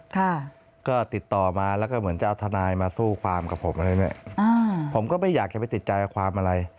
ค่ะก็ติดต่อมาแล้วก็เหมือนจะเอาทนายมาสู้ความกับผมอะไรเนี้ยอ่าผมก็ไม่อยากจะไปติดใจความอะไร